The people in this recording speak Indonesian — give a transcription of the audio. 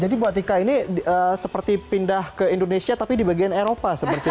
jadi mbak tika ini seperti pindah ke indonesia tapi di bagian eropa seperti itu ya